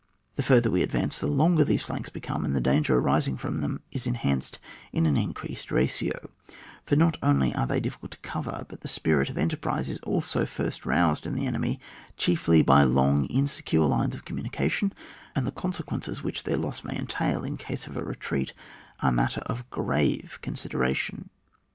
The fiirUier we advance, the longer these flanks become, and the danger arising from them is enhanced in an increased ratio, for not only are they difficult to cover, but the spirit of enter prise is also flrst roused in the enemy, chiefly by long insecure lines of com munication, and the consequences which their loss may entail in case of a retreat are matter of grave consideration.